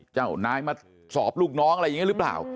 เจ้านายมาสอบลูกน้องอะไรอย่างนี้หรือเปล่า